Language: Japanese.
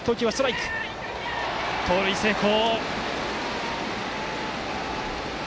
盗塁成功！